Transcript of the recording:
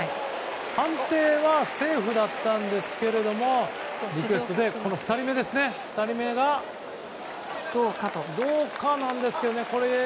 判定はセーフだったんですがリクエストで２人目がどうかなんですけどね。